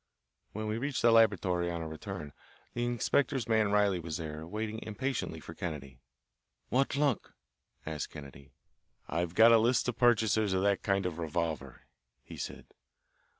When we reached the laboratory on our return, the inspector's man Riley was there, waiting impatiently for Kennedy. "What luck?" asked Kennedy. "I've got a list of purchasers of that kind of revolver," he said.